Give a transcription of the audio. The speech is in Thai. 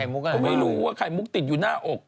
ก็ไม่รู้ว่าไข่มุกติดอยู่หน้าอก